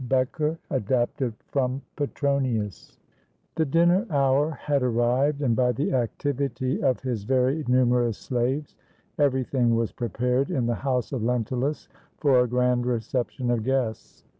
BECKER. ADAPTED FROM PETRONIUS The dinner hour had arrived, and by the activity of his very numerous slaves everything was prepared in the house of Lentulus for a grand reception of guests.